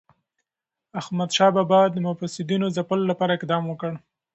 احمدشاه بابا د مفسدینو د ځپلو لپاره اقدام وکړ.